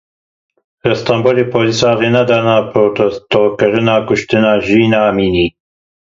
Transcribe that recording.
Li Stenbolê polîsan rê nedan protestokirina kuştina Jîna Emînî.